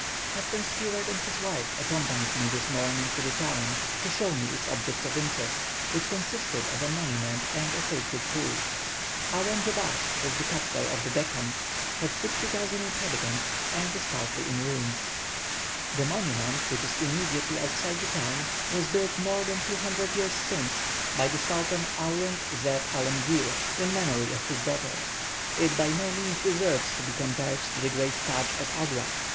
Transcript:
Captain Stewart and his wife accompanied me this morning to the town to show me its objects of interest, which consisted of a monument and a sacred pool. Auranjabad is the capital of the Deccan, has 60,000 inhabitants, and is partly in ruins. The monument, which is immediately outside the town, was built more than two hundred years since by the Sultan Aurung zeb Alemgir, in memory of his daughter. It by no means deserves to be compared to the great Tadsch at Agra.